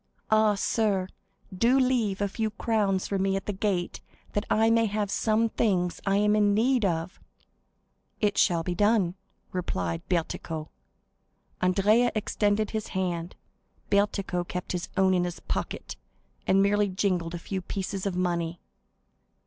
Ah, sir, do leave a few crowns for me at the gate that I may have some things I am in need of!" "It shall be done," replied Bertuccio. Andrea extended his hand; Bertuccio kept his own in his pocket, and merely jingled a few pieces of money.